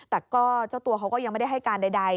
แต่ก็เจ้าตัวเขาก็ยังไม่ได้ให้การใด